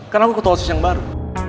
karna aku ketua osi yang baru